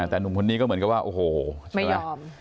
แต่หนุ่มคนนี้ก็เหมือนกับว่าโอ้โหใช่ไหม